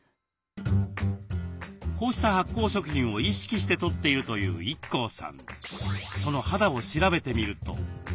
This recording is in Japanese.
こうした発酵食品を意識してとっているというＩＫＫＯさん。